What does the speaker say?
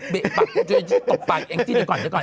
เบะปากตกปากแอ่งจี้เดี๋ยวก่อน